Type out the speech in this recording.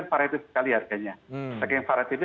paratif sekali harganya